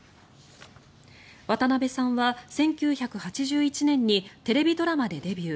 渡辺さんは１９８１年にテレビドラマでデビュー。